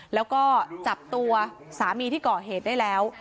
แล้วก็จับตัวสามีที่ก่อเหตุได้แล้ว